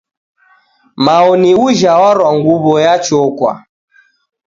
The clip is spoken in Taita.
Mao ni ujha warwa nguw'o ya chokwa.